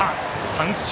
三振。